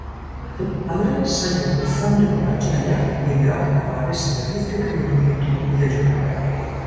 Haurren saio ezaguneko pertsonaiak, bideoak eta abesti ofizialak bilduko ditu bideojokoak.